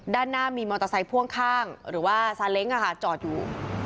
ด้านหน้ามีมอเตอร์ไซค่วงข้างหรือว่าซาเล้งจอดอยู่